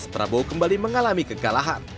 prabowo kembali mengalami kegagalan